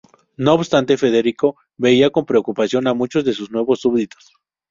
No obstante, Federico veía con preocupación a muchos de sus nuevos súbditos.